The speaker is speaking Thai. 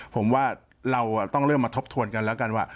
ผมว่าเราต้องเริ่มมาทบทวนกันแล้วกันว่า